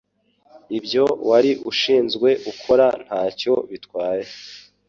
ibyo wari ushinzwe ukora ntacyo bitwaye